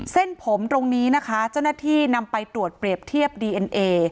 เส้นผมตรงนี้นะคะเจ้าหน้าที่นำไปตรวจเปรียบเทียบดีเอ็นเอ